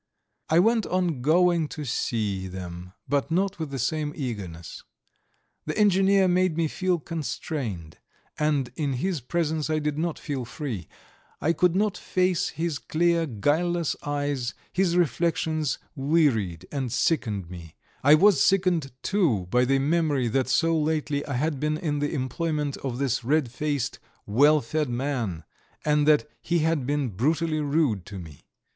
I went on going to see them, but not with the same eagerness. The engineer made me feel constrained, and in his presence I did not feel free. I could not face his clear, guileless eyes, his reflections wearied and sickened me; I was sickened, too, by the memory that so lately I had been in the employment of this red faced, well fed man, and that he had been brutally rude to me.